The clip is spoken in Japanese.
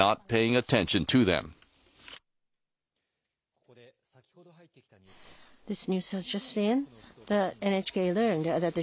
ここで先ほど入ってきたニュースです。